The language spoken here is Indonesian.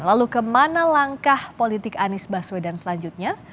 lalu kemana langkah politik anies baswedan selanjutnya